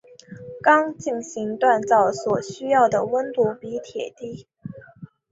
钢进行锻焊所需要的温度比铁低。